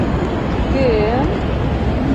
— Кӧ-ӧм?